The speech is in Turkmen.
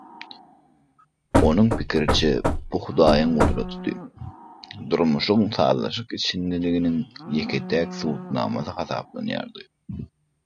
Onuň pikiriçe bu Hudaýyň gudratydy, durmuşyň sazlaşyk içindeliginiň ýeke-täk subutnamasy hasaplaýardy.